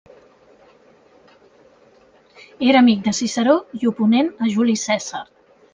Era amic de Ciceró i oponent a Juli Cèsar.